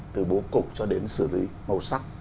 từ bố cục cho đến xử lý màu sắc